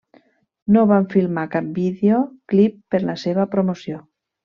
No van filmar cap videoclip per la seva promoció.